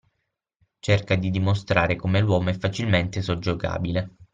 Cerca di dimostrare come l'uomo è facilmente soggiogabile.